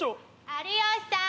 ⁉・有吉さーん！